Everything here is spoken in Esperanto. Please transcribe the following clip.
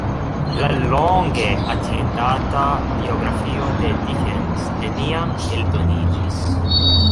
La longe atendata biografio de Dickens neniam eldoniĝis.